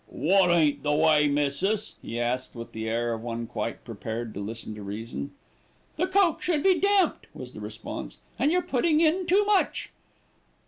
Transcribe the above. "Wot ain't the way, missis?" he asked with the air of one quite prepared to listen to reason. "The coke should be damped," was the response, "and you're putting in too much."